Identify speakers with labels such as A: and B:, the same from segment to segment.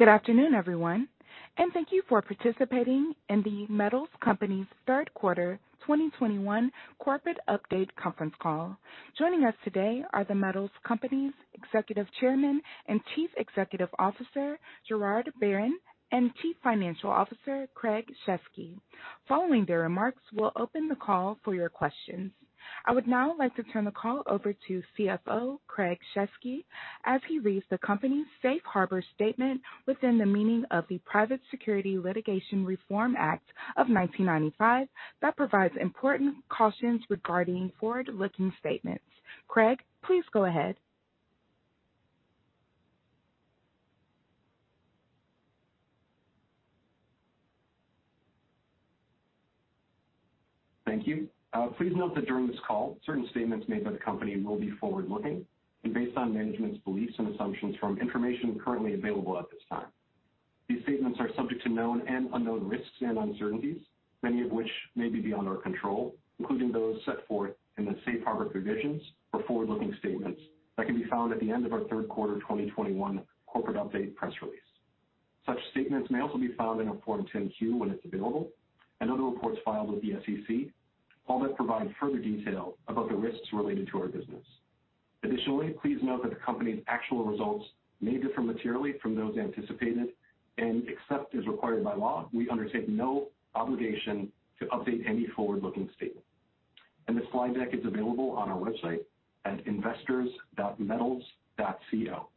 A: Good afternoon, everyone, and thank you for participating in The Metals Company's third quarter 2021 corporate update conference call. Joining us today are The Metals Company's Executive Chairman and Chief Executive Officer, Gerard Barron, and Chief Financial Officer, Craig Shesky. Following their remarks, we'll open the call for your questions. I would now like to turn the call over to CFO, Craig Shesky, as he reads the company's safe harbor statement within the meaning of the Private Securities Litigation Reform Act of 1995, that provides important cautions regarding forward-looking statements. Craig, please go ahead.
B: Thank you. Please note that during this call, certain statements made by the company will be forward-looking and based on management's beliefs and assumptions from information currently available at this time. These statements are subject to known and unknown risks and uncertainties, many of which may be beyond our control, including those set forth in the safe harbor provisions for forward-looking statements that can be found at the end of our third quarter 2021 corporate update press release. Such statements may also be found in our Form 10-Q when it's available, and other reports filed with the SEC, all that provide further detail about the risks related to our business. Additionally, please note that the company's actual results may differ materially from those anticipated, and except as required by law, we undertake no obligation to update any forward-looking statement. The slide deck is available on our website at investors.metals.co.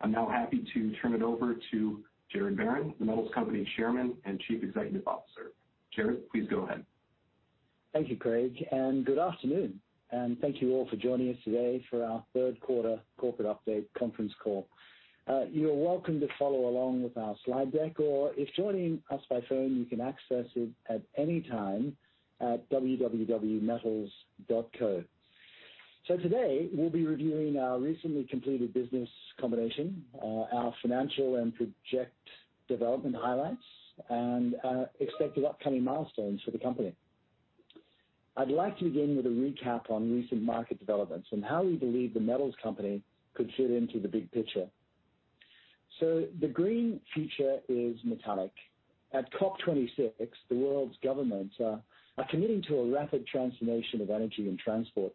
B: I'm now happy to turn it over to Gerard Barron, The Metals Company Chairman and Chief Executive Officer. Gerard, please go ahead.
C: Thank you, Craig, and good afternoon, and thank you all for joining us today for our third quarter corporate update conference call. You are welcome to follow along with our slide deck, or if joining us by phone, you can access it at any time at www.metals.co. So today, we'll be reviewing our recently completed business combination, our financial and project development highlights, and expected upcoming milestones for the company. I'd like to begin with a recap on recent market developments and how we believe The Metals Company could fit into the big picture. So the green future is metallic. At COP26, the world's governments are committing to a rapid transformation of energy and transport.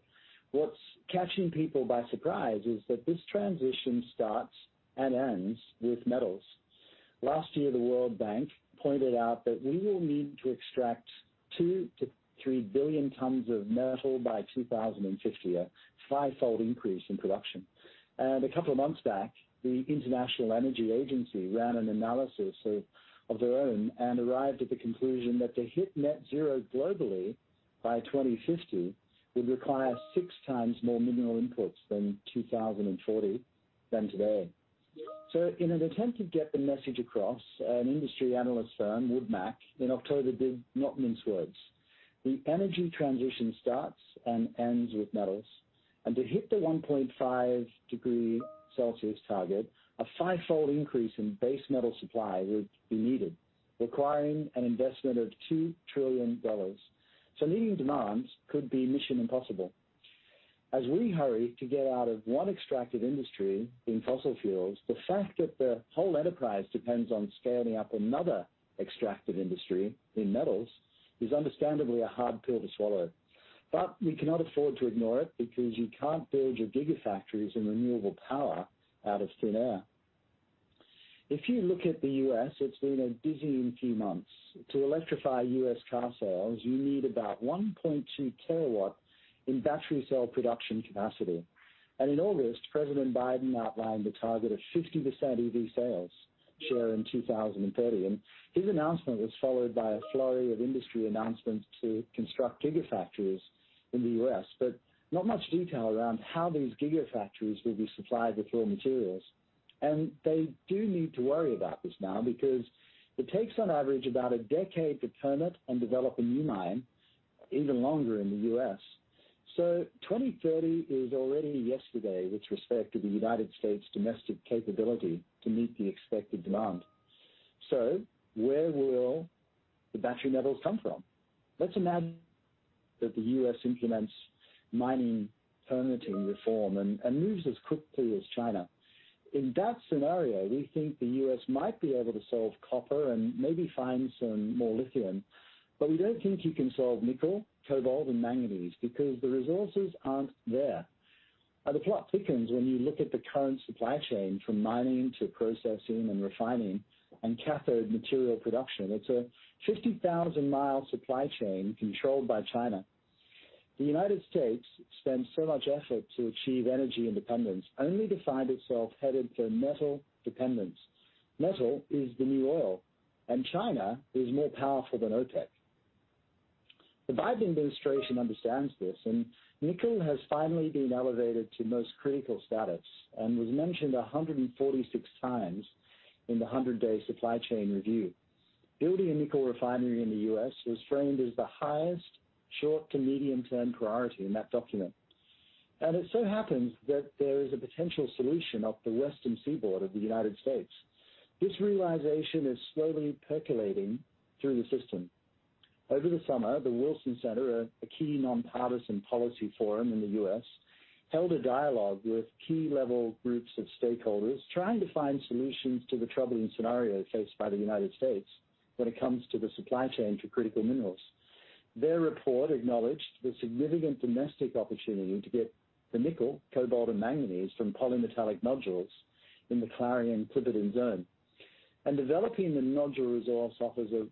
C: What's catching people by surprise is that this transition starts and ends with metals. Last year, The World Bank pointed out that we will need to extract 2-3 billion tons of metal by 2050, a fivefold increase in production. A couple of months back, the International Energy Agency ran an analysis of their own and arrived at the conclusion that to hit net zero globally by 2050 would require six times more mineral inputs than 2040 than today. In an attempt to get the message across, an industry analyst firm, WoodMac, in October, did not mince words. The energy transition starts and ends with metals, and to hit the 1.5-degree Celsius target, a fivefold increase in base metal supply would be needed, requiring an investment of $2 trillion. Meeting demands could be mission impossible. As we hurry to get out of one extractive industry in fossil fuels, the fact that the whole enterprise depends on scaling up another extractive industry in metals, is understandably a hard pill to swallow. But we cannot afford to ignore it because you can't build your gigafactories and renewable power out of thin air. If you look at the U.S., it's been a dizzying few months. To electrify U.S. car sales, you need about 1.2 kilowatt in battery cell production capacity. And in August, President Biden outlined a target of 50% EV sales share in 2030, and his announcement was followed by a flurry of industry announcements to construct gigafactories in the U.S., but not much detail around how these gigafactories will be supplied with raw materials. They do need to worry about this now because it takes, on average, about a decade to permit and develop a new mine, even longer in the U.S. So 2030 is already yesterday with respect to the United States domestic capability to meet the expected demand. So where will the battery metals come from? Let's imagine that the U.S. implements mining permitting reform and, and moves as quickly as China. In that scenario, we think the U.S. might be able to solve copper and maybe find some more lithium, but we don't think you can solve nickel, cobalt, and manganese because the resources aren't there. And the plot thickens when you look at the current supply chain, from mining to processing and refining and cathode material production. It's a 50,000-mile supply chain controlled by China. The United States spends so much effort to achieve energy independence, only to find itself headed for metal dependence. Metal is the new oil, and China is more powerful than OPEC. The Biden administration understands this, and nickel has finally been elevated to most critical status and was mentioned 146 times in the 100-day supply chain review. Building a nickel refinery in the U.S. was framed as the highest short to medium-term priority in that document. It so happens that there is a potential solution off the western seaboard of the United States. This realization is slowly percolating through the system. Over the summer, The Wilson Center, a key nonpartisan policy forum in the U.S., held a dialogue with key level groups of stakeholders trying to find solutions to the troubling scenario faced by the United States when it comes to the supply chain for critical minerals. Their report acknowledged the significant domestic opportunity to get the nickel, cobalt, and manganese from polymetallic nodules in the Clarion-Clipperton Zone. And developing the nodule resource offers a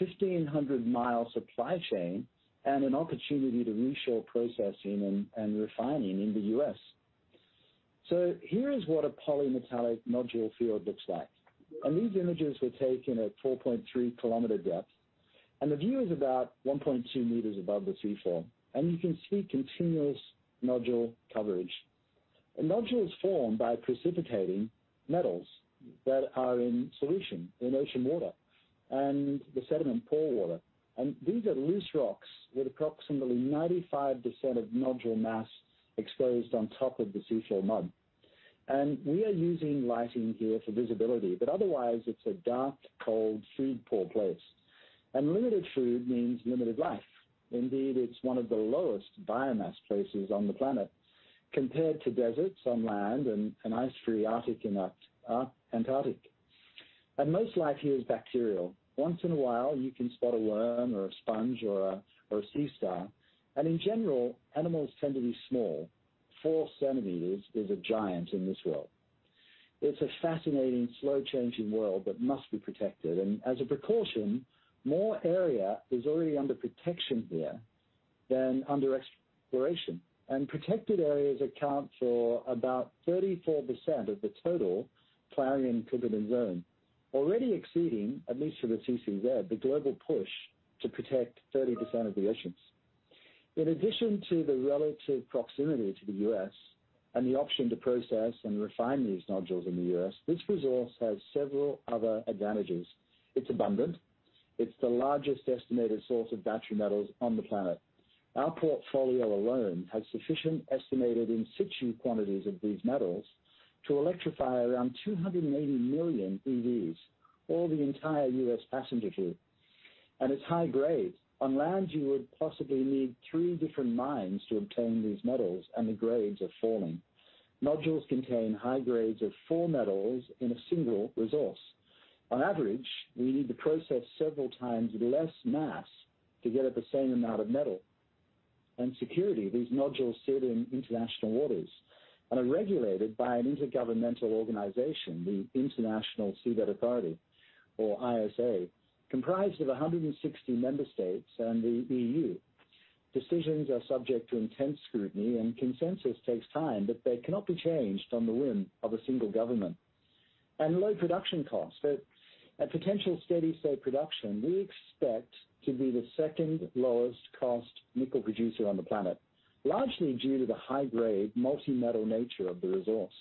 C: 1,500-mile supply chain and an opportunity to reshore processing and refining in the U.S. So here is what a polymetallic nodule field looks like. And these images were taken at 4.3-kilometer depth, and the view is about 1.2 meters above the seafloor, and you can see continuous nodule coverage. A nodule is formed by precipitating metals that are in solution in ocean water and the sediment pore water. These are loose rocks, with approximately 95% of nodule mass exposed on top of the seafloor mud. We are using lighting here for visibility, but otherwise, it's a dark, cold, food-poor place, and limited food means limited life. Indeed, it's one of the lowest biomass places on the planet compared to deserts on land and an ice-free Arctic and Antarctic. Most life here is bacterial. Once in a while, you can spot a worm or a sponge or a, or a sea star, and in general, animals tend to be small. 4 centimeters is a giant in this world. It's a fascinating, slow-changing world, but must be protected, and as a precaution, more area is already under protection here than under exploration. Protected areas account for about 34% of the total Clarion-Clipperton Zone, already exceeding, at least for the CCZ, the global push to protect 30% of the oceans. In addition to the relative proximity to the U.S. and the option to process and refine these nodules in the U.S., this resource has several other advantages. It's abundant. It's the largest estimated source of battery metals on the planet. Our portfolio alone has sufficient estimated in situ quantities of these metals to electrify around 280 million EVs, or the entire U.S. passenger fleet, and it's high grade. On land, you would possibly need three different mines to obtain these metals, and the grades are falling. Nodules contain high grades of four metals in a single resource. On average, we need to process several times less mass to get at the same amount of metal. And security, these nodules sit in international waters and are regulated by an intergovernmental organization, the International Seabed Authority, or ISA, comprised of 160 member states and the EU. Decisions are subject to intense scrutiny and consensus takes time, but they cannot be changed on the whim of a single government. And low production costs. At potential steady state production, we expect to be the second lowest cost nickel producer on the planet, la rgely due to the high-grade, multi-metal nature of the resource.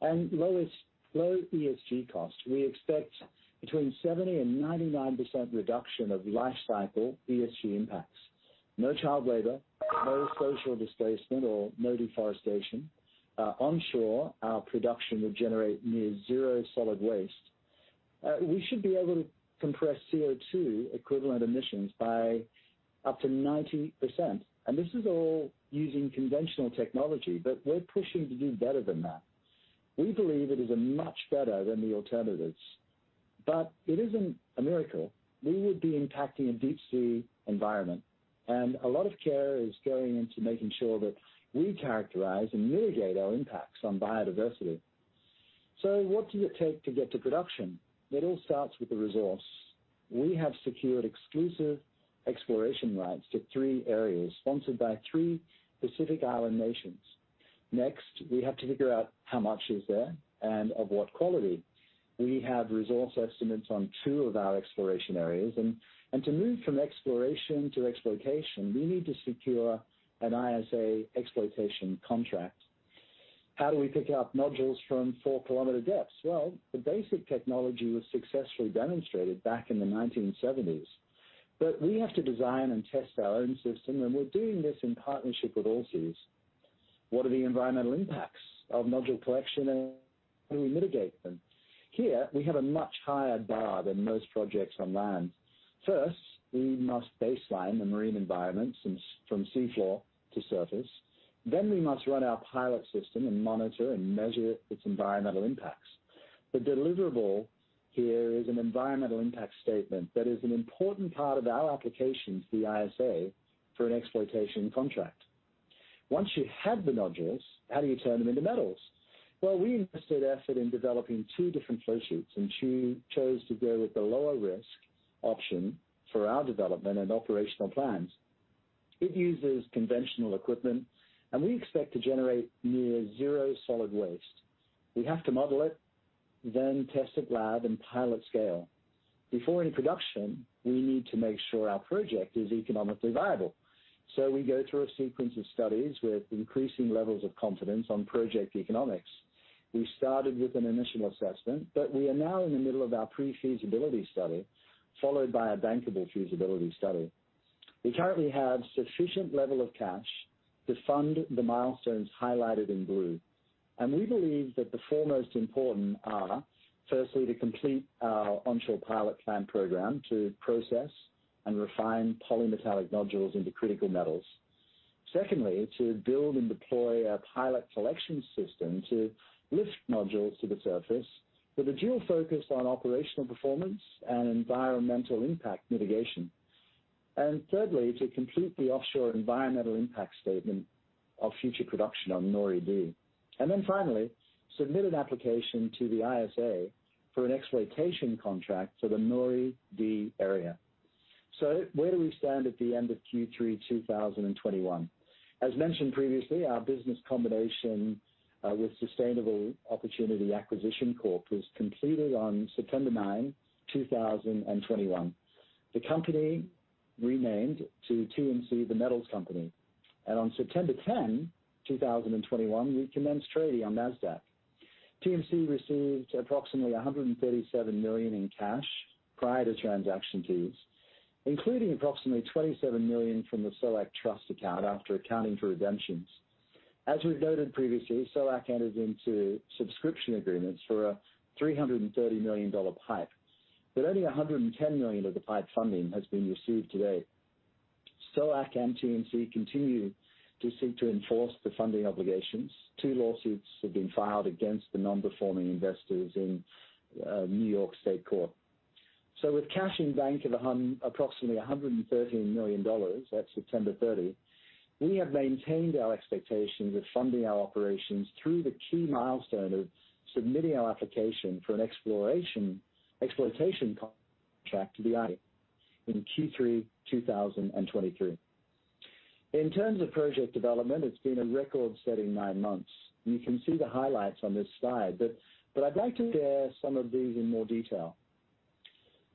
C: And low ESG costs. We expect between 70% and 99% reduction of lifecycle ESG impacts. No child labor, no social displacement, or no deforestation. Onshore, our production would generate near zero solid waste. We should be able to compress CO2 equivalent emissions by up to 90%, and this is all using conventional technology, but we're pushing to do better than that. We believe it is a much better than the alternatives, but it isn't a miracle. We would be impacting a deep sea environment, and a lot of care is going into making sure that we characterize and mitigate our impacts on biodiversity. So what does it take to get to production? It all starts with the resource. We have secured exclusive exploration rights to three areas, sponsored by three Pacific Island nations. Next, we have to figure out how much is there and of what quality. We have resource estimates on two of our exploration areas, and, and to move from exploration to exploitation, we need to secure an ISA exploitation contract. How do we pick out nodules from 4-kilometer depths? Well, the basic technology was successfully demonstrated back in the 1970s, but we have to design and test our own system, and we're doing this in partnership with Allseas. What are the environmental impacts of nodule collection, and how do we mitigate them? Here, we have a much higher bar than most projects on land. First, we must baseline the marine environment from seafloor to surface. Then we must run our pilot system and monitor and measure its environmental impacts. The deliverable here is an environmental impact statement that is an important part of our application to the ISA for an exploitation contract. Once you have the nodules, how do you turn them into metals? Well, we invested effort in developing two different flow sheets and chose to go with the lower risk option for our development and operational plans. It uses conventional equipment, and we expect to generate near zero solid waste. We have to model it, then test it lab and pilot scale. Before any production, we need to make sure our project is economically viable, so we go through a sequence of studies with increasing levels of confidence on project economics. We started with an initial assessment, but we are now in the middle of our pre-feasibility study, followed by a Bankable Feasibility Study. We currently have sufficient level of cash to fund the milestones highlighted in blue, and we believe that the foremost important are, firstly, to complete our onshore pilot plant program to process and refine polymetallic nodules into critical metals. Secondly, to build and deploy a pilot collection system to lift nodules to the surface with a dual focus on operational performance and environmental impact mitigation. And thirdly, to complete the offshore environmental impact statement of future production on NORI D. And then finally, submit an application to the ISA for an exploitation contract for the NORI D area. So where do we stand at the end of Q3 2021? As mentioned previously, our business combination with Sustainable Opportunities Acquisition Corp. was completed on September 9, 2021. The company renamed to TMC The Metals Company, and on September 10, 2021, we commenced trading on NASDAQ. TMC received approximately $137 million in cash prior to transaction fees, including approximately $27 million from the SOAC trust account after accounting for redemptions. As we've noted previously, SOAC entered into subscription agreements for a $330 million PIPE, but only $110 million of the PIPE funding has been received to date. SOAC and TMC continue to seek to enforce the funding obligations. Two lawsuits have been filed against the non-performing investors in New York State Court. So with cash in bank of approximately $113 million at September 30, we have maintained our expectations of funding our operations through the key milestone of submitting our application for an exploration, exploitation contract to the ISA in Q3 2023. In terms of project development, it's been a record-setting nine months. You can see the highlights on this slide, but, but I'd like to share some of these in more detail.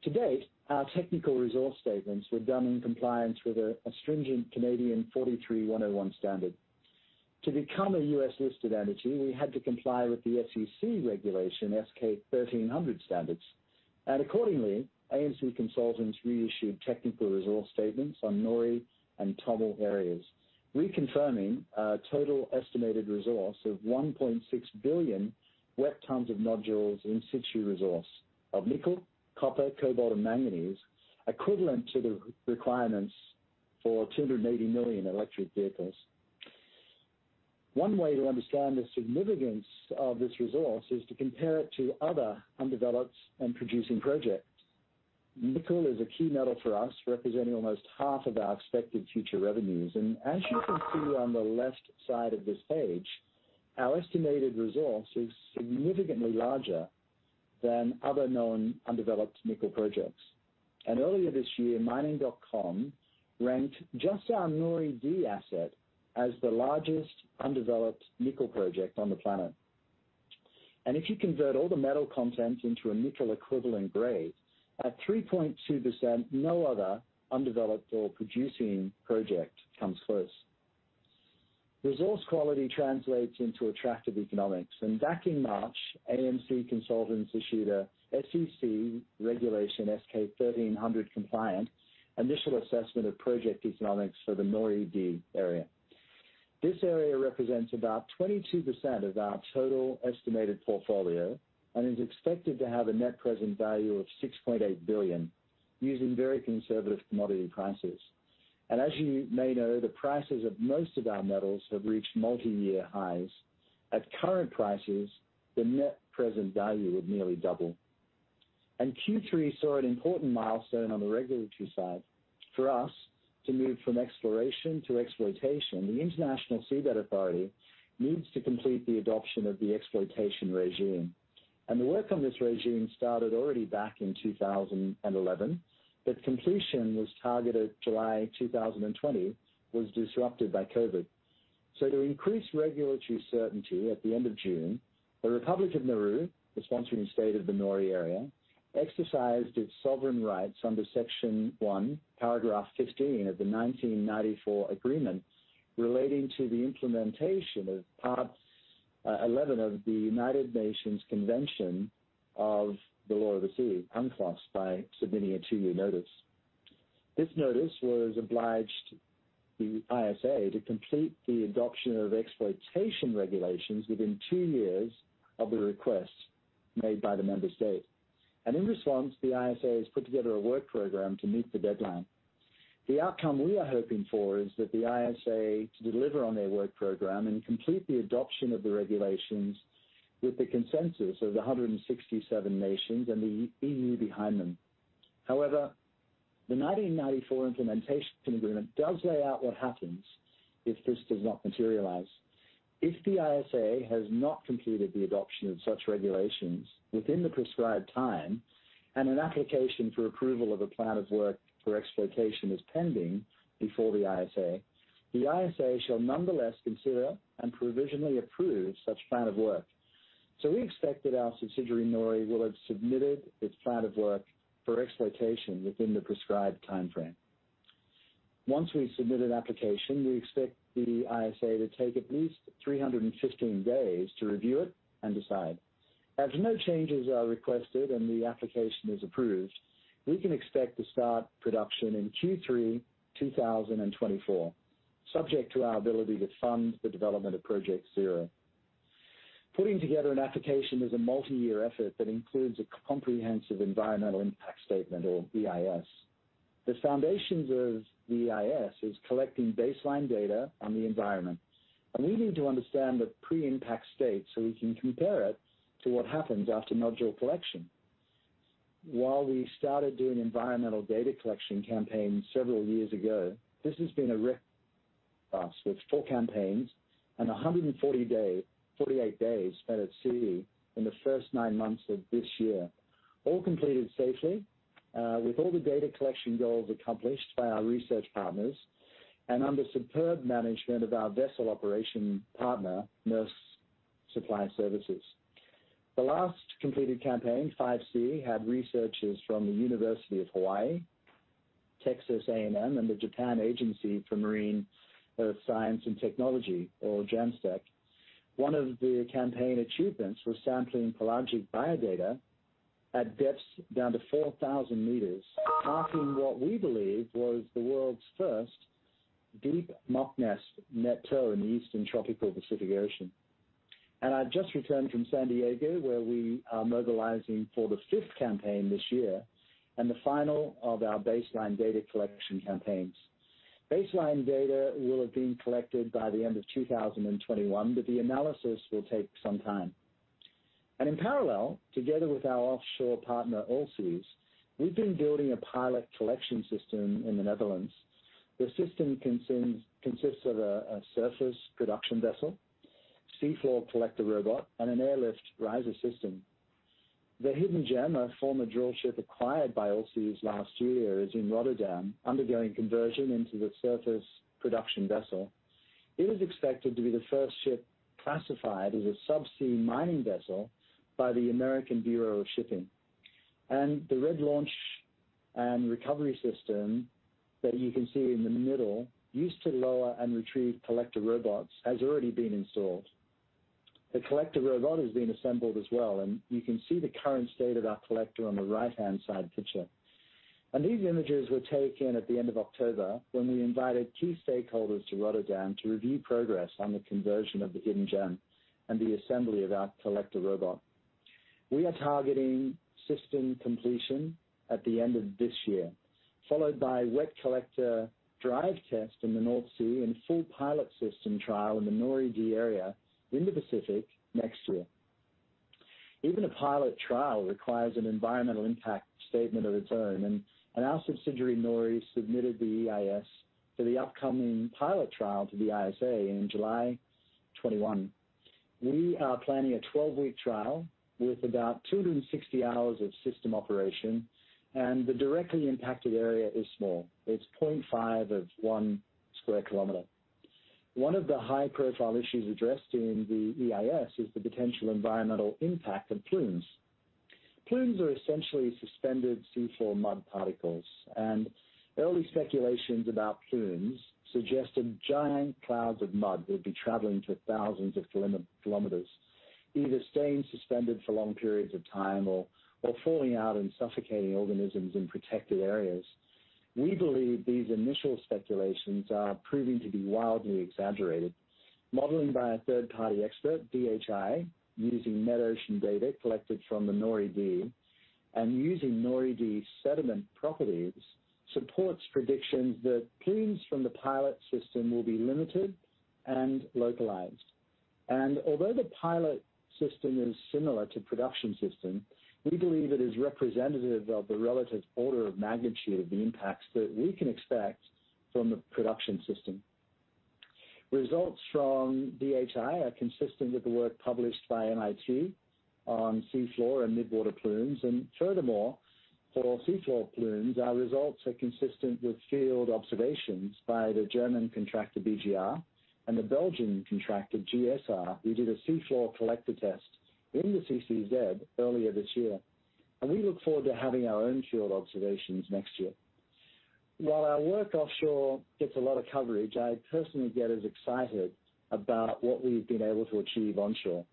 C: To date, our technical resource statements were done in compliance with a stringent Canadian 43-101 standard. To become a U.S. listed entity, we had to comply with the SEC Regulation S-K 1300 standards, and accordingly, AMC Consultants reissued technical resource statements on NORI and TOML areas, reconfirming our total estimated resource of 1.6 billion wet tons of nodules in situ resource of nickel, copper, cobalt, and manganese, equivalent to the requirements for 280 million electric vehicles. One way to understand the significance of this resource is to compare it to other undeveloped and producing projects. Nickel is a key metal for us, representing almost half of our expected future revenues, and as you can see on the left side of this page, our estimated resource is significantly larger than other known undeveloped nickel projects. Earlier this year, MINING.COM ranked just our NORI D asset as the largest undeveloped nickel project on the planet. If you convert all the metal content into a nickel equivalent grade, at 3.2%, no other undeveloped or producing project comes close. Resource quality translates into attractive economics, and back in March, AMC Consultants issued a SEC Regulation S-K 1300 compliant initial assessment of project economics for the NORI D area. This area represents about 22% of our total estimated portfolio and is expected to have a net present value of $6.8 billion, using very conservative commodity prices. As you may know, the prices of most of our metals have reached multiyear highs. At current prices, the net present value would nearly double. Q3 saw an important milestone on the regulatory side. For us to move from exploration to exploitation, the International Seabed Authority needs to complete the adoption of the exploitation regime. And the work on this regime started already back in 2011, but completion was targeted July 2020, was disrupted by COVID. So to increase regulatory certainty, at the end of June, the Republic of Nauru, the sponsoring state of the NORI area, exercised its sovereign rights under Section 1, Paragraph 15 of the 1994 agreement relating to the implementation of Part 11 of the United Nations Convention of the Law of the Sea, UNCLOS, by submitting a two-year notice. This notice was obliged the ISA to complete the adoption of exploitation regulations within two years of the request made by the member state. And in response, the ISA has put together a work program to meet the deadline. The outcome we are hoping for is that the ISA to deliver on their work program and complete the adoption of the regulations with the consensus of the 167 nations and the EU behind them. However, the 1994 implementation agreement does lay out what happens if this does not materialize. If the ISA has not completed the adoption of such regulations within the prescribed time, and an application for approval of a plan of work for exploitation is pending before the ISA, the ISA shall nonetheless consider and provisionally approve such plan of work. So we expect that our subsidiary, Nori, will have submitted its plan of work for exploitation within the prescribed timeframe. Once we've submitted the application, we expect the ISA to take at least 315 days to review it and decide. As no changes are requested and the application is approved, we can expect to start production in Q3 2024, subject to our ability to fund the development of Project Zero. Putting together an application is a multi-year effort that includes a comprehensive environmental impact statement, or EIS. The foundations of the EIS is collecting baseline data on the environment, and we need to understand the pre-impact state, so we can compare it to what happens after nodule collection. While we started doing environmental data collection campaigns several years ago, this has been, with 4 campaigns and 148 days spent at sea in the first 9 months of this year, all completed safely, with all the data collection goals accomplished by our research partners and under superb management of our vessel operation partner, Maersk Supply Service. The last completed campaign, 5C, had researchers from the University of Hawaii, Texas A&M, and the Japan Agency for Marine Science and Technology, or JAMSTEC. One of the campaign achievements was sampling pelagic biodata at depths down to 4,000 meters, marking what we believe was the world's first deep MOCNESS tow in the Eastern Tropical Pacific Ocean. I've just returned from San Diego, where we are mobilizing for the fifth campaign this year and the final of our baseline data collection campaigns. Baseline data will have been collected by the end of 2021, but the analysis will take some time. In parallel, together with our offshore partner, Allseas, we've been building a pilot collection system in the Netherlands. The system consists of a surface production vessel, seafloor collector robot, and an airlift riser system. The Hidden Gem, a former drill ship acquired by Allseas last year, is in Rotterdam, undergoing conversion into the surface production vessel. It is expected to be the first ship classified as a subsea mining vessel by the American Bureau of Shipping. The red launch and recovery system that you can see in the middle, used to lower and retrieve collector robots, has already been installed. The collector robot is being assembled as well, and you can see the current state of our collector on the right-hand side picture. These images were taken at the end of October, when we invited key stakeholders to Rotterdam to review progress on the conversion of the Hidden Gem and the assembly of our collector robot. We are targeting system completion at the end of this year, followed by wet collector drive test in the North Sea and full pilot system trial in the Nori D area in the Pacific next year. Even a pilot trial requires an environmental impact statement of its own, and our subsidiary, Nori, submitted the EIS for the upcoming pilot trial to the ISA in July 2021. We are planning a 12-week trial with about 260 hours of system operation, and the directly impacted area is small. It's 0.5 of 1 square kilometer. One of the high-profile issues addressed in the EIS is the potential environmental impact of plumes. Plumes are essentially suspended seafloor mud particles, and early speculations about plumes suggested giant clouds of mud would be traveling for thousands of kilometers, either staying suspended for long periods of time or falling out and suffocating organisms in protected areas. We believe these initial speculations are proving to be wildly exaggerated. Modeling by a third-party expert, DHI, using Metocean data collected from the NORI-D and using NORI-D sediment properties, supports predictions that plumes from the pilot system will be limited and localized. Although the pilot system is similar to production system, we believe it is representative of the relative order of magnitude of the impacts that we can expect from the production system. Results from DHI are consistent with the work published by MIT on seafloor and mid-water plumes. Furthermore, for seafloor plumes, our results are consistent with field observations by the German contractor, BGR, and the Belgian contractor, GSR, who did a seafloor collector test in the CCZ earlier this year. We look forward to having our own field observations next year. While our work offshore gets a lot of coverage, I personally get as excited about what we've been able to achieve onshore.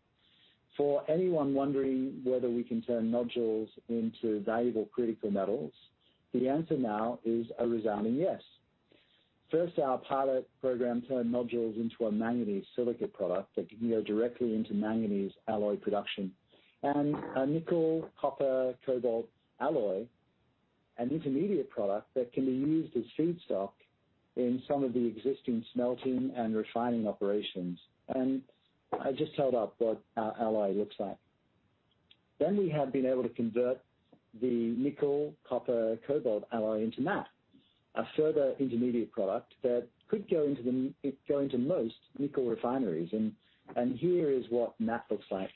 C: For anyone wondering whether we can turn nodules into valuable critical metals, the answer now is a resounding yes. First, our pilot program turned nodules into a Manganese Silica product that can go directly into manganese alloy production, and a nickel, copper, cobalt alloy, an intermediate product that can be used as feedstock in some of the existing smelting and refining operations. I just held up what our alloy looks like. Then we have been able to convert the nickel, copper, cobalt alloy into matte, a further intermediate product that could go into most nickel refineries. And, and here is what matte looks like.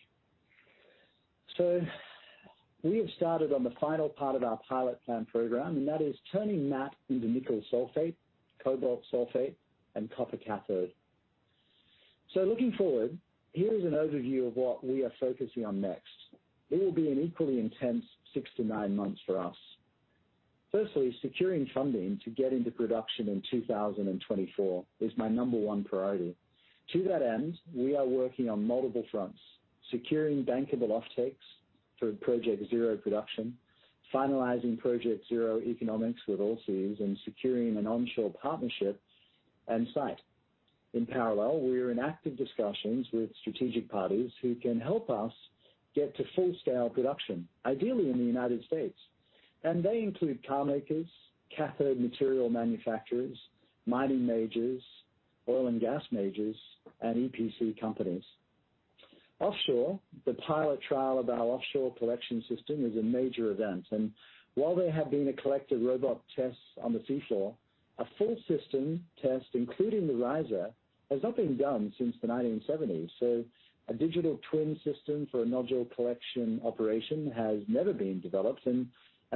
C: So we have started on the final part of our pilot plant program, and that is turning matte into nickel sulfate, cobalt sulfate, and copper cathode. So looking forward, here is an overview of what we are focusing on next. It will be an equally intense 6-9 months for us.... Firstly, securing funding to get into production in 2024 is my number one priority. To that end, we are working on multiple fronts: securing bankable offtakes for Project Zero production, finalizing Project Zero economics with Allseas, and securing an onshore partnership and site. In parallel, we are in active discussions with strategic parties who can help us get to full-scale production, ideally in the United States, and they include carmakers, cathode material manufacturers, mining majors, oil and gas majors, and EPC companies. Offshore, the pilot trial of our offshore collection system is a major event, and while there have been collector robot tests on the seafloor, a full system test, including the riser, has not been done since the 1970s. A digital twin system for a nodule collection operation has never been developed and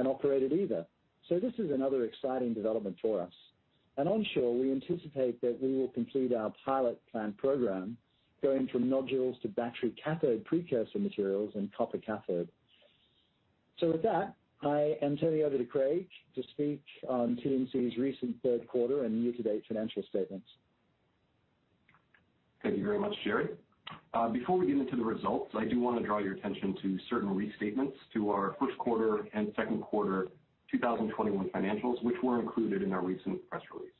C: operated either. This is another exciting development for us. Onshore, we anticipate that we will complete our pilot plant program, going from nodules to battery cathode precursor materials and copper cathode. With that, I am turning over to Craig to speak on TMC's recent third quarter and year-to-date financial statements.
B: Thank you very much, Gerard. Before we get into the results, I do want to draw your attention to certain restatements to our first quarter and second quarter 2021 financials, which were included in our recent press release.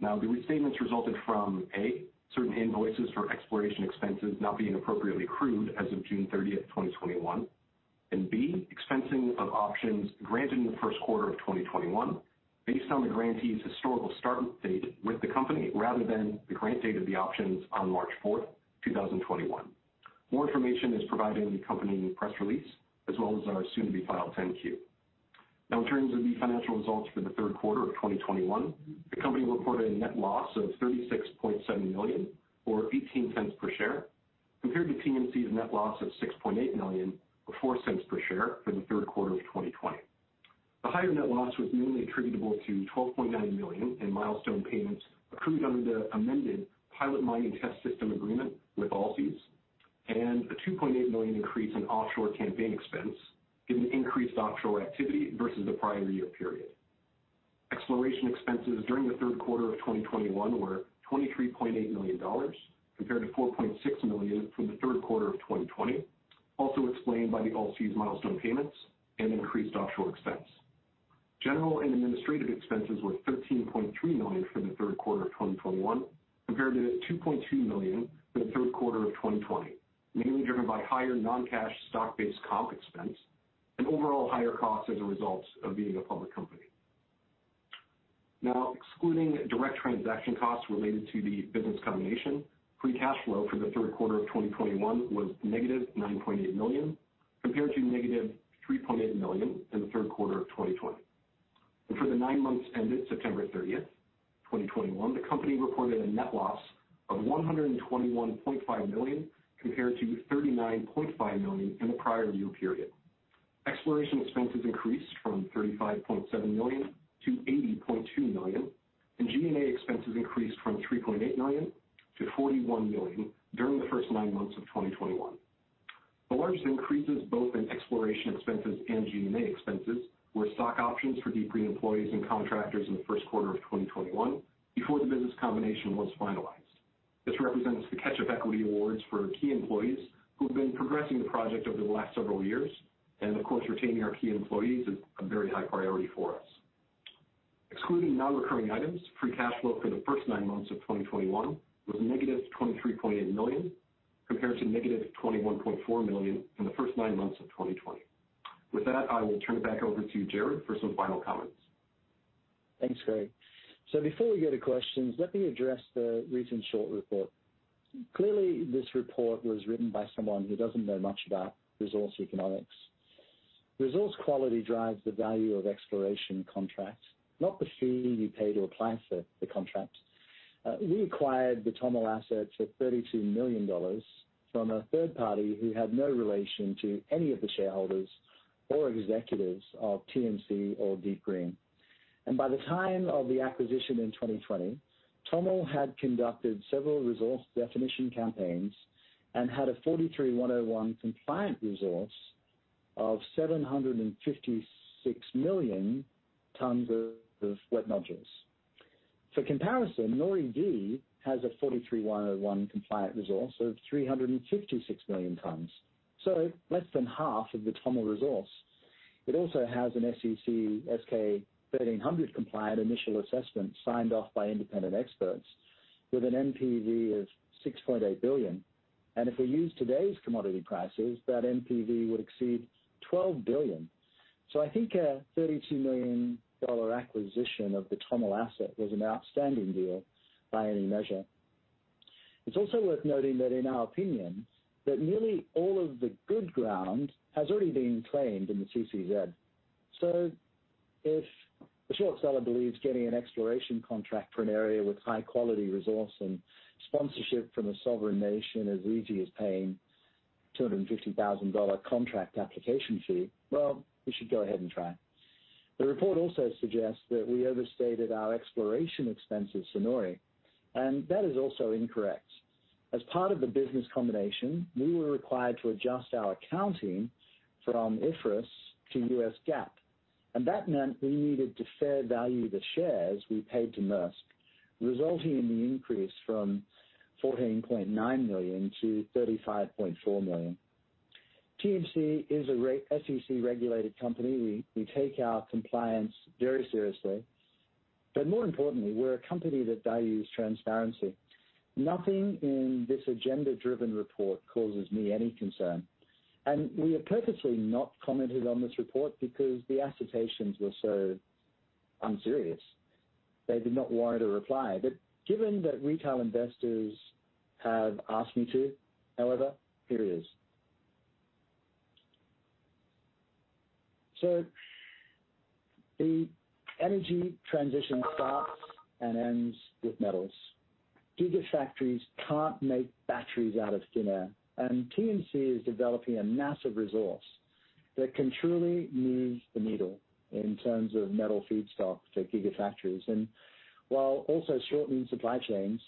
B: Now, the restatements resulted from, A, certain invoices for exploration expenses not being appropriately accrued as of June 30, 2021, and, B, expensing of options granted in the first quarter of 2021, based on the grantee's historical start date with the company, rather than the grant date of the options on March 4, 2021. More information is provided in the company press release, as well as our soon-to-be-filed 10-Q. Now, in terms of the financial results for the third quarter of 2021, the company reported a net loss of $36.7 million, or $0.18 per share, compared to TMC's net loss of $6.8 million, or $0.04 per share for the third quarter of 2020. The higher net loss was mainly attributable to $12.9 million in milestone payments accrued under the amended pilot mining test system agreement with Allseas, and a $2.8 million increase in offshore campaign expense, given the increased offshore activity versus the prior year period. Exploration expenses during the third quarter of 2021 were $23.8 million, compared to $4.6 million for the third quarter of 2020, also explained by the Allseas milestone payments and increased offshore expense. General and administrative expenses were $13.3 million for the third quarter of 2021, compared to $2.2 million for the third quarter of 2020, mainly driven by higher non-cash stock-based comp expense and overall higher costs as a result of being a public company. Now, excluding direct transaction costs related to the business combination, free cash flow for the third quarter of 2021 was negative $9.8 million, compared to negative $3.8 million in the third quarter of 2020. For the nine months ended September 30, 2021, the company reported a net loss of $121.5 million, compared to $39.5 million in the prior year period. Exploration expenses increased from $35.7 million to $80.2 million, and G&A expenses increased from $3.8 million to $41 million during the first nine months of 2021. The largest increases, both in exploration expenses and G&A expenses, were stock options for DeepGreen employees and contractors in the first quarter of 2021 before the business combination was finalized. This represents the catch-up equity awards for key employees who have been progressing the project over the last several years, and of course, retaining our key employees is a very high priority for us. Excluding non-recurring items, free cash flow for the first nine months of 2021 was negative $23.8 million, compared to negative $21.4 million in the first nine months of 2020. With that, I will turn it back over to you, Gerard, for some final comments.
C: Thanks, Craig. So before we go to questions, let me address the recent short report. Clearly, this report was written by someone who doesn't know much about resource economics. Resource quality drives the value of exploration contracts, not the fee you pay to apply for the contracts. We acquired the TOML asset for $32 million from a third party who had no relation to any of the shareholders or executives of TMC or DeepGreen. And by the time of the acquisition in 2020, TOML had conducted several resource definition campaigns and had a NI 43-101 compliant resource of 756 million tons of wet nodules. For comparison, NORI D has a NI 43-101 compliant resource of 356 million tons, so less than half of the TOML resource. It also has an SEC S-K 1300 compliant initial assessment signed off by independent experts with an NPV of $6.8 billion. And if we use today's commodity prices, that NPV would exceed $12 billion. So I think a $32 million acquisition of the TOML asset was an outstanding deal by any measure. It's also worth noting that, in our opinion, that nearly all of the good ground has already been claimed in the CCZ. So if the short seller believes getting an exploration contract for an area with high-quality resource and sponsorship from a sovereign nation as easy as paying $250,000 contract application fee, well, we should go ahead and try. The report also suggests that we overstated our exploration expenses to Nori, and that is also incorrect. As part of the business combination, we were required to adjust our accounting from IFRS to US GAAP, and that meant we needed to fair value the shares we paid to Maersk, resulting in the increase from $14.9 million to $35.4 million. TMC is a SEC-regulated company. We, we take our compliance very seriously, but more importantly, we're a company that values transparency. Nothing in this agenda-driven report causes me any concern, and we have purposely not commented on this report because the assertions were so unserious, they did not warrant a reply. But given that retail investors have asked me to, however, here it is. So the energy transition starts and ends with metals. Gigafactories can't make batteries out of thin air, and TMC is developing a massive resource that can truly move the needle in terms of metal feedstock to gigafactories, and while also shortening supply chains,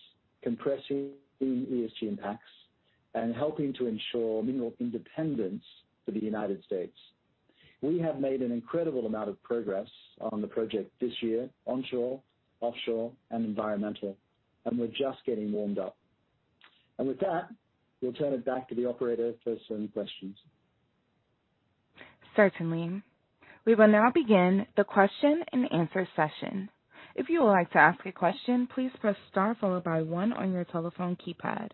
C: compressing ESG impacts, and helping to ensure mineral independence for the United States. We have made an incredible amount of progress on the project this year, onshore, offshore, and environmental, and we're just getting warmed up. With that, we'll turn it back to the operator for some questions.
A: Certainly. We will now begin the question and answer session. If you would like to ask a question, please press star followed by one on your telephone keypad.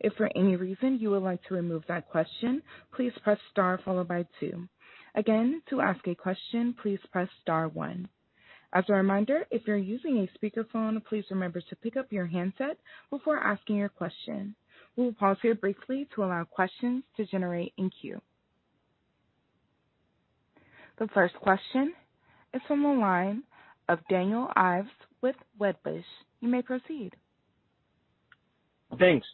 A: If for any reason you would like to remove that question, please press star followed by two. Again, to ask a question, please press star one. As a reminder, if you're using a speakerphone, please remember to pick up your handset before asking your question. We will pause here briefly to allow questions to generate in queue. The first question is from the line of Daniel Ives with Wedbush. You may proceed.
D: Thanks.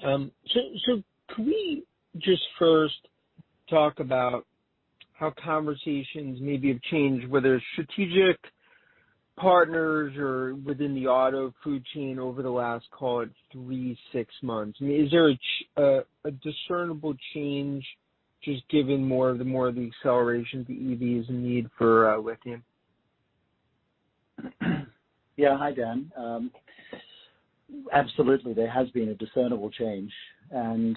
D: So could we just first talk about how conversations maybe have changed, whether strategic partners or within the auto supply chain over the last, call it 3-6 months? I mean, is there a discernible change, just given more of the acceleration of the EVs need for lithium?
C: Yeah. Hi, Dan. Absolutely, there has been a discernible change. And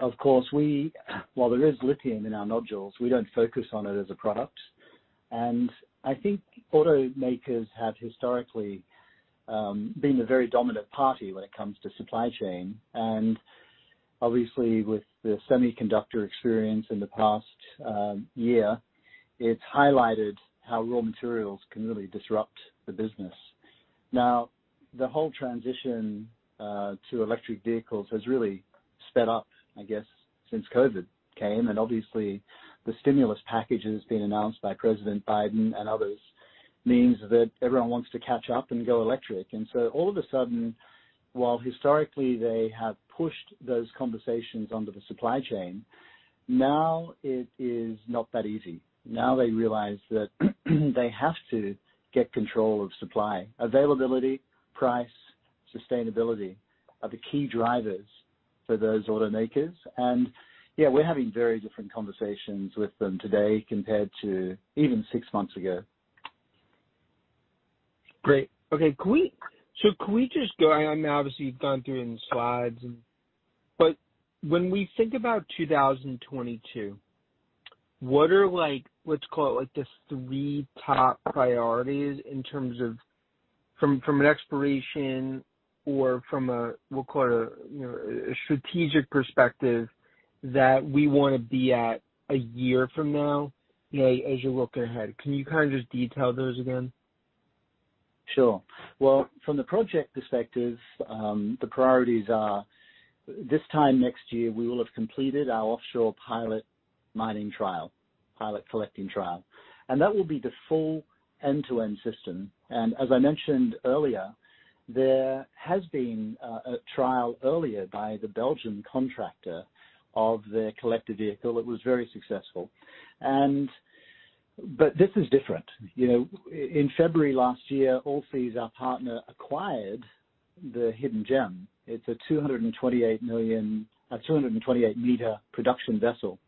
C: of course, we, while there is lithium in our nodules, we don't focus on it as a product. And I think automakers have historically been the very dominant party when it comes to supply chain. And obviously, with the semiconductor experience in the past year, it's highlighted how raw materials can really disrupt the business. Now, the whole transition to electric vehicles has really sped up, I guess, since COVID came, and obviously the stimulus packages being announced by President Biden and others means that everyone wants to catch up and go electric. And so all of a sudden, while historically they have pushed those conversations onto the supply chain, now it is not that easy. Now they realize that they have to get control of supply. Availability, price, sustainability are the key drivers for those automakers. Yeah, we're having very different conversations with them today compared to even six months ago.
D: Great. Okay, can we, so can we just go, I mean, obviously, you've gone through in the slides, but when we think about 2022, what are like, let's call it, like, the three top priorities in terms of from an exploration or from a, we'll call it a, you know, a strategic perspective, that we wanna be at a year from now, you know, as you look ahead? Can you kind of just detail those again?
C: Sure. Well, from the project perspective, the priorities are, this time next year, we will have completed our offshore pilot mining trial, pilot collecting trial, and that will be the full end-to-end system. And as I mentioned earlier, there has been a trial earlier by the Belgian contractor of their collector vehicle. It was very successful. And but this is different. You know, in February last year, Allseas, our partner, acquired the Hidden Gem. It's a 228-meter production vessel,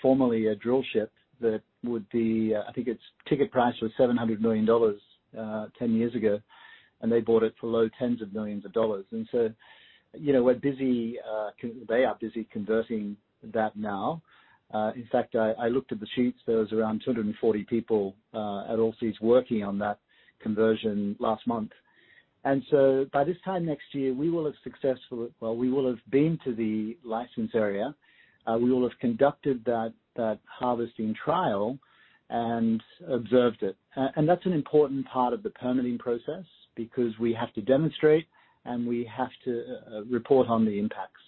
C: formerly a drill ship, that would be, I think its ticket price was $700 million 10 years ago, and they bought it for low tens of millions of dollars. And so, you know, we're busy, they are busy converting that now. In fact, I looked at the sheets. There was around 240 people at Allseas working on that conversion last month. And so by this time next year, we will have successfully, well, we will have been to the license area, we will have conducted that harvesting trial and observed it. And that's an important part of the permitting process because we have to demonstrate, and we have to report on the impacts.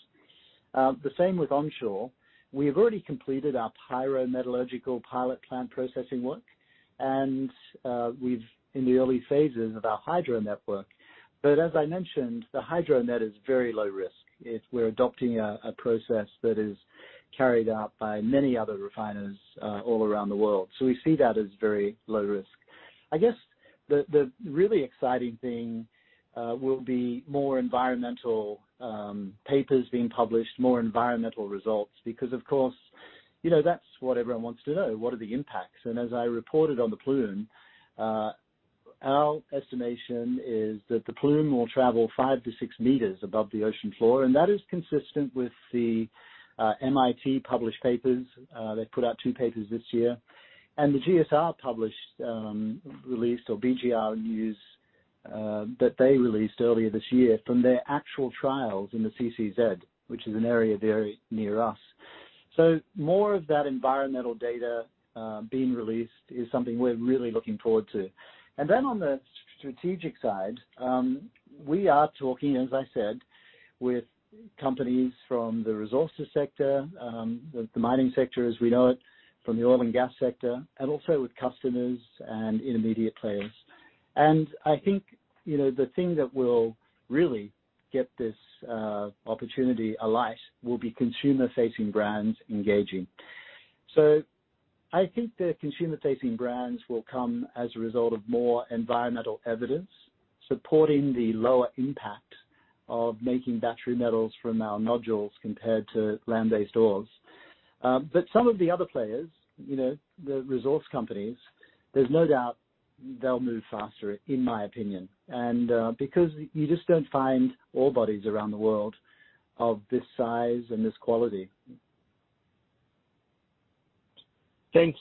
C: The same with onshore. We have already completed our pyrometallurgical pilot plant processing work, and we're in the early phases of our hydrometallurgical. But as I mentioned, the hydrometallurgical is very low risk. It's, we're adopting a process that is carried out by many other refiners all around the world. So we see that as very low risk. I guess the really exciting thing will be more environmental papers being published, more environmental results, because of course, you know, that's what everyone wants to know. What are the impacts? And as I reported on the plume, our estimation is that the plume will travel 5-6 meters above the ocean floor, and that is consistent with the MIT-published papers. They've put out 2 papers this year. And the GSR published release, or BGR news, that they released earlier this year from their actual trials in the CCZ, which is an area very near us. So more of that environmental data being released is something we're really looking forward to. And then on the strategic side, we are talking, as I said, with companies from the resources sector, the mining sector as we know it, from the oil and gas sector, and also with customers and intermediate players. And I think, you know, the thing that will really get this opportunity alight will be consumer-facing brands engaging. So I think the consumer-facing brands will come as a result of more environmental evidence supporting the lower impact of making battery metals from our nodules compared to land-based ores. But some of the other players, you know, the resource companies, there's no doubt they'll move faster, in my opinion, and because you just don't find ore bodies around the world of this size and this quality.
D: Thanks.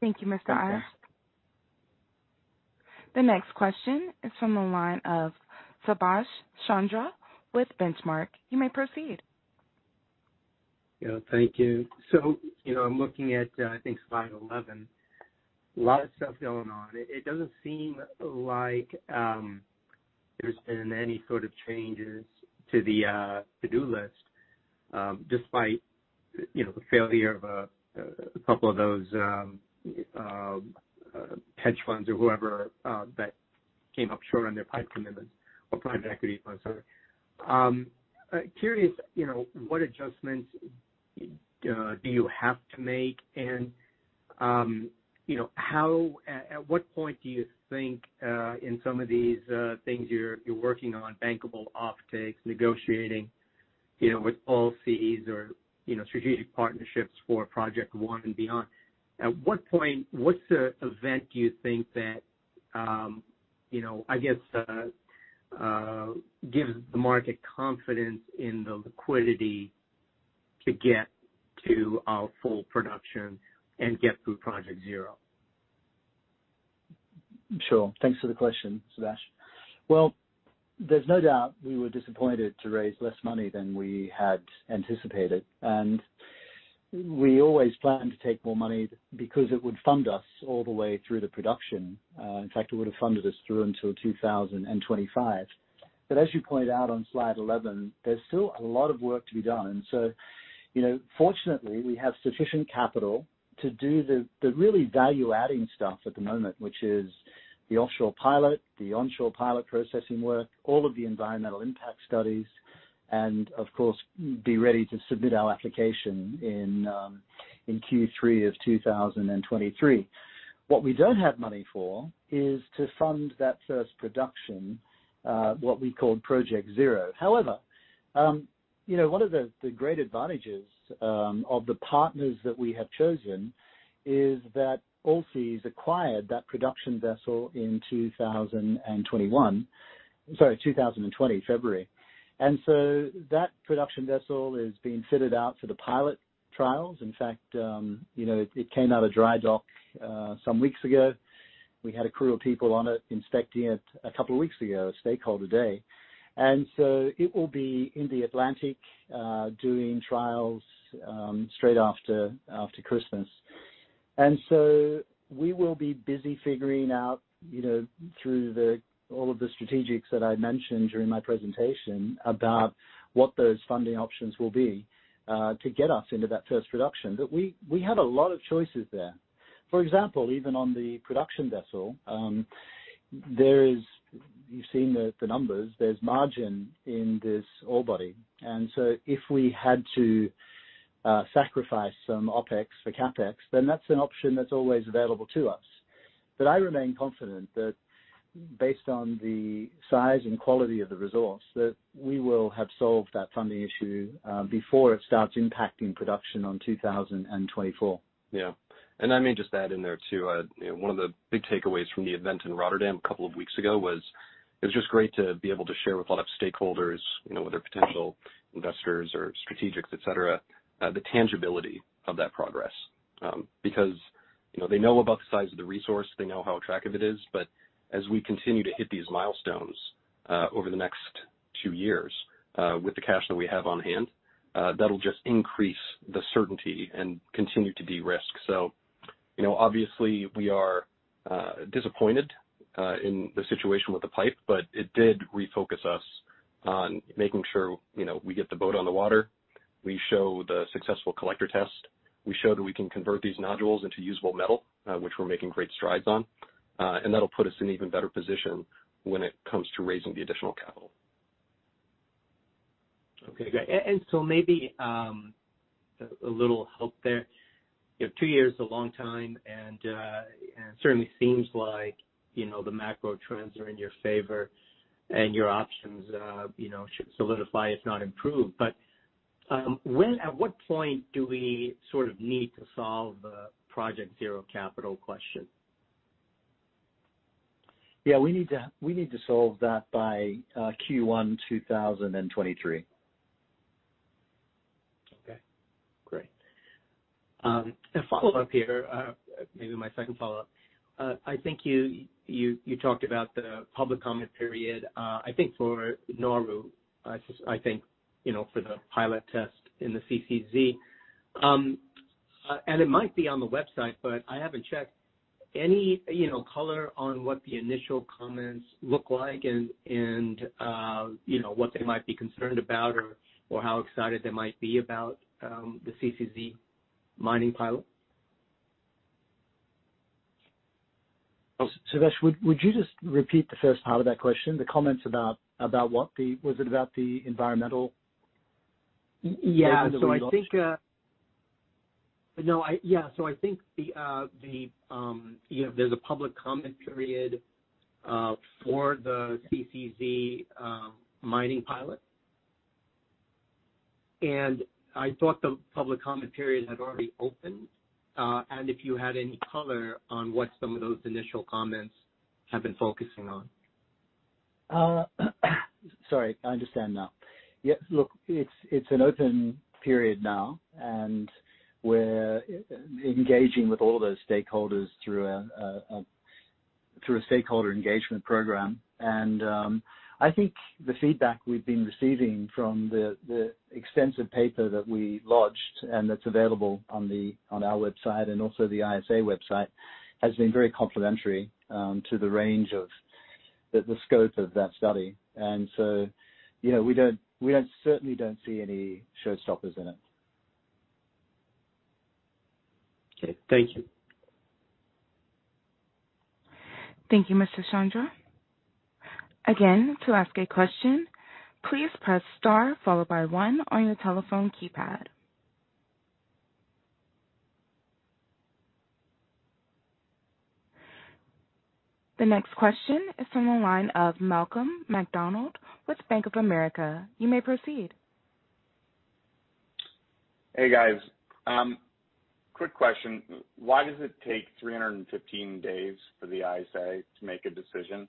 A: Thank you, Mr. Ives. The next question is from the line of Subash Chandra with Benchmark. You may proceed.
E: Yeah, thank you. So, you know, I'm looking at, I think slide 11. A lot of stuff going on. It doesn't seem like there's been any sort of changes to the to-do list, despite, you know, the failure of a couple of those hedge funds or whoever that came up short on their PIPE commitments or private equity funds, sorry. Curious, you know, what adjustments do you have to make? And, you know, how, at what point do you think, in some of these things you're working on, bankable offtakes, negotiating, you know, with Allseas or, you know, strategic partnerships for Project One and beyond? What's the event do you think that, you know, I guess, gives the market confidence in the liquidity to get to full production and get through Project Zero?
C: Sure. Thanks for the question, Subash. Well, there's no doubt we were disappointed to raise less money than we had anticipated, and we always planned to take more money because it would fund us all the way through the production. In fact, it would have funded us through until 2025. But as you pointed out on slide 11, there's still a lot of work to be done. So, you know, fortunately, we have sufficient capital to do the really value-adding stuff at the moment, which is the offshore pilot, the onshore pilot processing work, all of the environmental impact studies, and of course, be ready to submit our application in Q3 of 2023. What we don't have money for is to fund that first production, what we called Project Zero. However, you know, one of the great advantages of the partners that we have chosen is that Allseas acquired that production vessel in 2021... Sorry, 2020, February. And so that production vessel is being fitted out for the pilot trials. In fact, you know, it came out of dry dock some weeks ago. We had a crew of people on it inspecting it a couple of weeks ago, a stakeholder day. And so it will be in the Atlantic doing trials straight after Christmas. And so we will be busy figuring out, you know, through all of the strategics that I mentioned during my presentation, about what those funding options will be to get us into that first production. But we have a lot of choices there. For example, even on the production vessel, there is. You've seen the, the numbers, there's margin in this ore body. And so if we had to, sacrifice some OpEx for CapEx, then that's an option that's always available to us. But I remain confident that based on the size and quality of the resource, that we will have solved that funding issue, before it starts impacting production on 2024.
B: Yeah, and let me just add in there, too, you know, one of the big takeaways from the event in Rotterdam a couple of weeks ago was, it was just great to be able to share with a lot of stakeholders, you know, whether potential investors or strategics, et cetera, the tangibility of that progress. Because, you know, they know about the size of the resource, they know how attractive it is, but as we continue to hit these milestones, over the next two years, with the cash that we have on hand, that'll just increase the certainty and continue to de-risk. You know, obviously we are disappointed in the situation with the PIPE, but it did refocus us on making sure, you know, we get the boat on the water, we show the successful collector test, we show that we can convert these nodules into usable metal, which we're making great strides on, and that'll put us in even better position when it comes to raising the additional capital....
E: Okay, great. And so maybe a little help there. You know, two years is a long time, and it certainly seems like, you know, the macro trends are in your favor, and your options, you know, should solidify, if not improve. But when at what point do we sort of need to solve Project Zero capital question?
C: Yeah, we need to solve that by Q1 2023.
E: Okay, great. A follow-up here, maybe my second follow-up. I think you talked about the public comment period. I think for Nauru, I just, I think, you know, for the pilot test in the CCZ. And it might be on the website, but I haven't checked. Any, you know, color on what the initial comments look like and, and, you know, what they might be concerned about or, or how excited they might be about, the CCZ mining pilot?
C: Suresh, would you just repeat the first part of that question? The comments about what the... Was it about the environmental?
E: Y-yeah.
C: Maybe that we launched.
E: So I think... No, I, yeah. So I think the, the, you know, there's a public comment period for the CCZ mining pilot. And I thought the public comment period had already opened. And if you had any color on what some of those initial comments have been focusing on.
C: Sorry. I understand now. Yeah, look, it's an open period now, and we're engaging with all those stakeholders through a stakeholder engagement program. I think the feedback we've been receiving from the extensive paper that we lodged, and that's available on our website, and also the ISA website, has been very complimentary to the range of the scope of that study. You know, we certainly don't see any showstoppers in it.
E: Okay. Thank you.
A: Thank you, Mr. Chandra. Again, to ask a question, please press star followed by one on your telephone keypad. The next question is from the line of Malcolm McDonald with Bank of America. You may proceed.
F: Hey, guys. Quick question. Why does it take 315 days for the ISA to make a decision?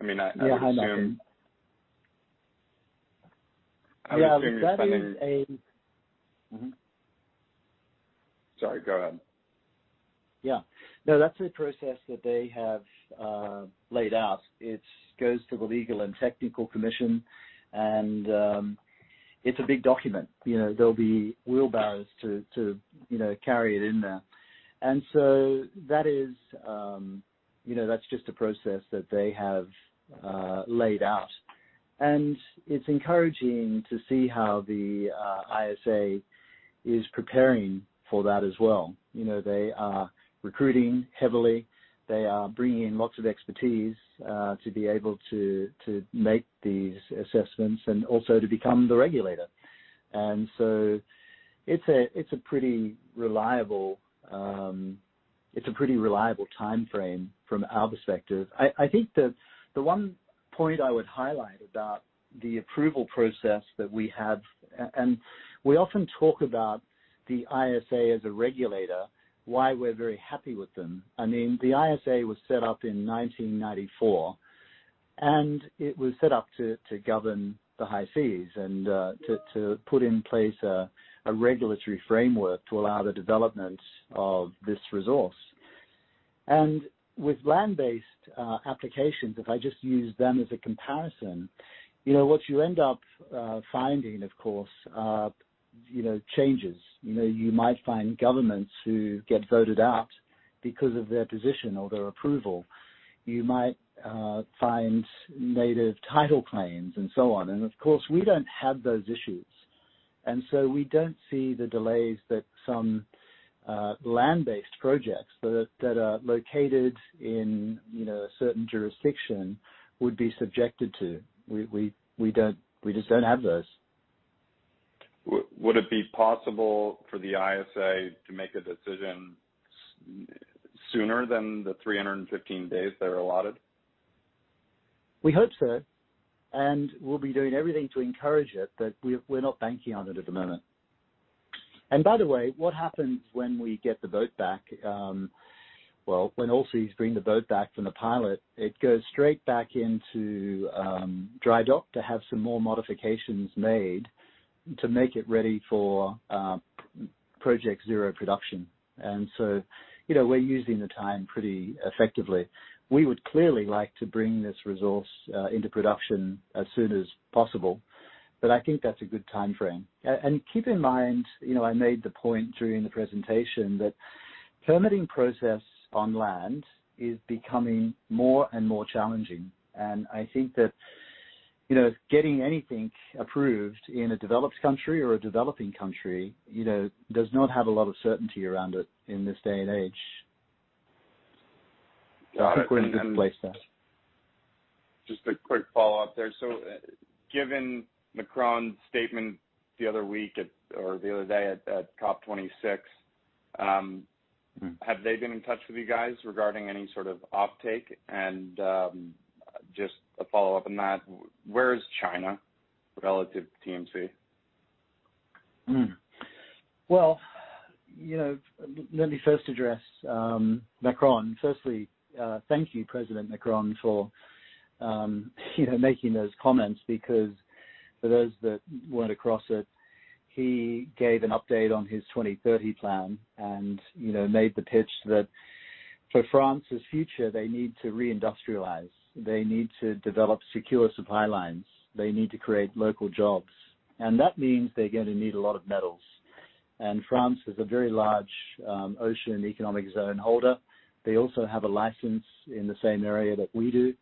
F: I mean, I would assume-
C: Yeah. Hi, Malcolm.
F: I would assume you're spending-
C: Yeah, that is a mm-hmm.
F: Sorry, go ahead.
C: Yeah. No, that's a process that they have laid out. It goes to the Legal and Technical Commission, and it's a big document. You know, there'll be wheelbarrows to carry it in there. And so that is, you know, that's just a process that they have laid out. It's encouraging to see how the ISA is preparing for that as well. You know, they are recruiting heavily. They are bringing in lots of expertise to be able to make these assessments and also to become the regulator. And so it's a pretty reliable timeframe from our perspective. I think the one point I would highlight about the approval process that we have, and we often talk about the ISA as a regulator, why we're very happy with them. I mean, the ISA was set up in 1994, and it was set up to govern the high seas, and to put in place a regulatory framework to allow the development of this resource. With land-based applications, if I just use them as a comparison, you know, what you end up finding, of course, are, you know, changes. You know, you might find governments who get voted out because of their position or their approval. You might find native title claims, and so on. And of course, we don't have those issues, and so we don't see the delays that some land-based projects that are located in a certain jurisdiction would be subjected to. We don't. We just don't have those.
F: Would it be possible for the ISA to make a decision sooner than the 315 days they're allotted?
C: We hope so, and we'll be doing everything to encourage it, but we're, we're not banking on it at the moment. By the way, what happens when we get the boat back? Well, when Allseas bring the boat back from the pilot, it goes straight back into dry dock to have some more modifications made to make it ready for Project Zero production. So, you know, we're using the time pretty effectively. We would clearly like to bring this resource into production as soon as possible, but I think that's a good timeframe. And keep in mind, you know, I made the point during the presentation that permitting process on land is becoming more and more challenging, and I think that, you know, getting anything approved in a developed country or a developing country, you know, does not have a lot of certainty around it in this day and age....
F: Just a quick follow-up there. So, given Macron's statement the other week at, or the other day at, at COP26, have they been in touch with you guys regarding any sort of offtake? And, just a follow-up on that, where is China relative to TMC?
C: Well, you know, let me first address Macron. Firstly, thank you, President Macron, for, you know, making those comments, because for those that weren't across it, he gave an update on his 2030 plan and, you know, made the pitch that for France's future, they need to re-industrialize. They need to develop secure supply lines. They need to create local jobs, and that means they're going to need a lot of metals. France is a very large ocean economic zone holder. They also have a license in the same area that we do,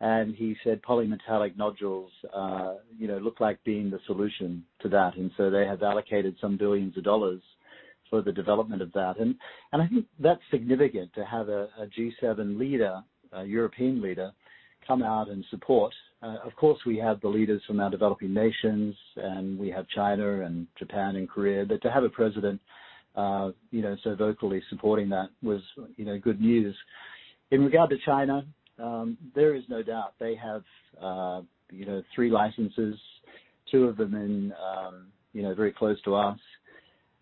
C: and he said polymetallic nodules, you know, look like being the solution to that. So they have allocated some $ billions for the development of that. I think that's significant, to have a G7 leader, a European leader, come out and support. Of course, we have the leaders from our developing nations, and we have China and Japan and Korea, but to have a president, you know, so vocally supporting that was, you know, good news. In regard to China, there is no doubt they have, you know, 3 licenses, two of them in, you know, very close to us.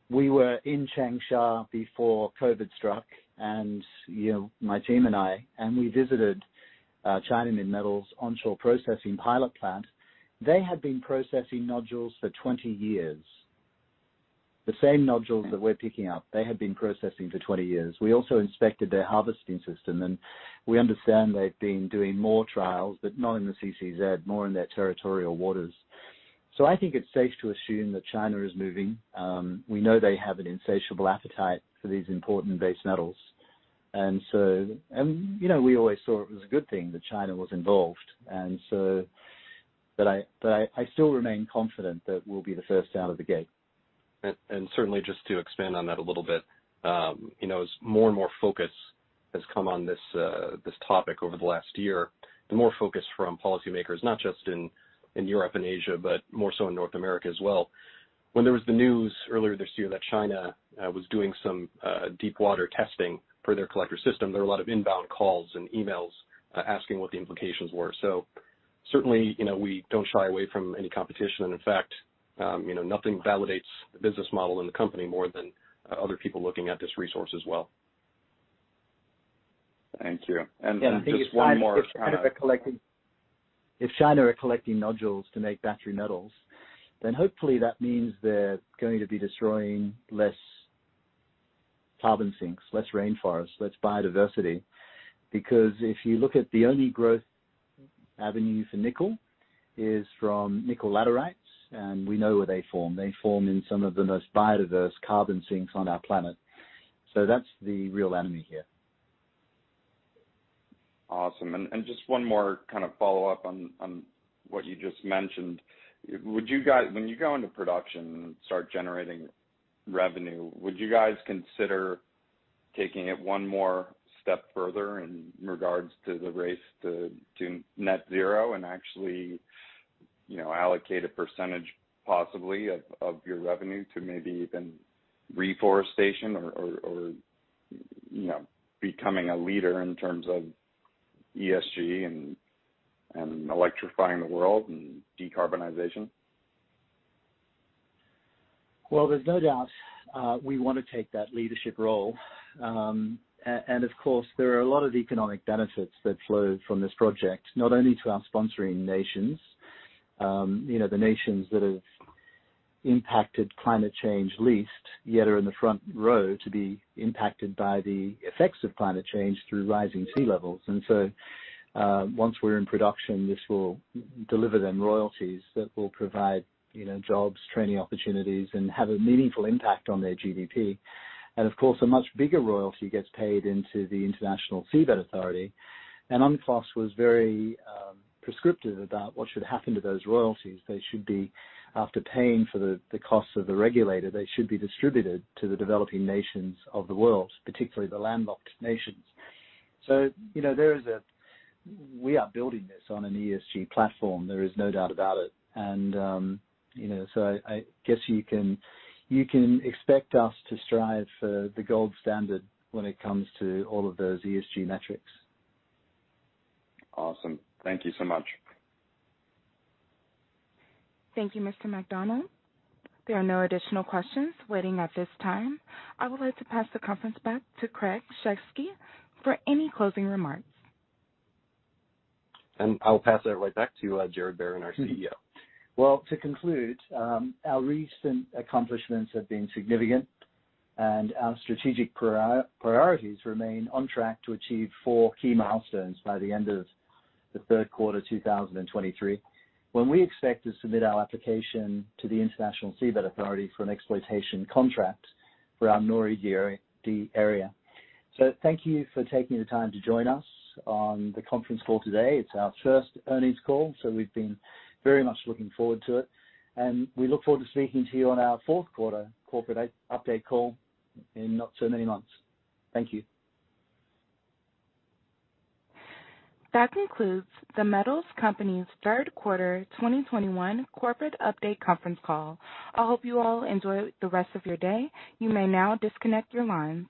C: We were in Changsha before COVID struck, and, you know, my team and I, and we visited China Minmetals onshore processing pilot plant. They had been processing nodules for 20 years. The same nodules that we're picking up, they had been processing for 20 years. We also inspected their harvesting system, and we understand they've been doing more trials, but not in the CCZ, more in their territorial waters. So I think it's safe to assume that China is moving. We know they have an insatiable appetite for these important base metals. And so, you know, we always saw it as a good thing that China was involved, and so, but I still remain confident that we'll be the first out of the gate.
B: Certainly just to expand on that a little bit, you know, as more and more focus has come on this topic over the last year, the more focus from policymakers, not just in Europe and Asia, but more so in North America as well. When there was the news earlier this year that China was doing some deep water testing for their collector system, there were a lot of inbound calls and emails asking what the implications were. So certainly, you know, we don't shy away from any competition. And in fact, you know, nothing validates the business model in the company more than other people looking at this resource as well.
F: Thank you. And just one more-
C: If China are collecting, if China are collecting nodules to make battery metals, then hopefully that means they're going to be destroying less carbon sinks, less rainforest, less biodiversity. Because if you look at the only growth avenue for nickel is from nickel laterites, and we know where they form. They form in some of the most biodiverse carbon sinks on our planet. So that's the real enemy here.
F: Awesome. And just one more kind of follow-up on what you just mentioned. Would you guys, when you go into production and start generating revenue, would you guys consider taking it one more step further in regards to the race to net zero and actually, you know, allocate a percentage possibly of your revenue to maybe even reforestation or, you know, becoming a leader in terms of ESG and electrifying the world and decarbonization?
C: Well, there's no doubt, we want to take that leadership role. And of course, there are a lot of economic benefits that flow from this project, not only to our sponsoring nations, you know, the nations that have impacted climate change least, yet are in the front row to be impacted by the effects of climate change through rising sea levels. And so, once we're in production, this will deliver them royalties that will provide, you know, jobs, training opportunities, and have a meaningful impact on their GDP. And of course, a much bigger royalty gets paid into the International Seabed Authority. And UNCLOS was very prescriptive about what should happen to those royalties. They should be, after paying for the costs of the regulator, they should be distributed to the developing nations of the world, particularly the landlocked nations. So, you know, there is. We are building this on an ESG platform. There is no doubt about it. And, you know, so I guess you can expect us to strive for the gold standard when it comes to all of those ESG metrics.
F: Awesome. Thank you so much.
A: Thank you, Mr. McDonald. There are no additional questions waiting at this time. I would like to pass the conference back to Craig Sheskey for any closing remarks.
B: I'll pass that right back to you, Gerard Barron, our CEO.
C: Well, to conclude, our recent accomplishments have been significant, and our strategic priorities remain on track to achieve four key milestones by the end of the third quarter, 2023, when we expect to submit our application to the International Seabed Authority for an exploitation contract for our NORI area, the area. So thank you for taking the time to join us on the conference call today. It's our first earnings call, so we've been very much looking forward to it, and we look forward to speaking to you on our fourth quarter corporate update call in not so many months. Thank you.
A: That concludes The Metals Company's third quarter 2021 corporate update conference call. I hope you all enjoy the rest of your day. You may now disconnect your lines.